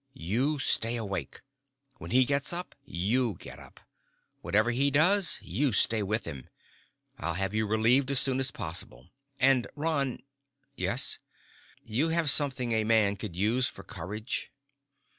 You stay awake. When he gets up, you get up. Whatever he does, you stay with him. I'll have you relieved as soon as possible. And, Ron " "Yes." "You have something a man could use for courage."